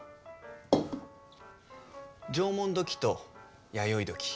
縄文土器と弥生土器。